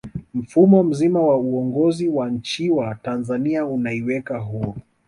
mfumo mzima wa uongozi wa nchiya tanzania unaiweka huru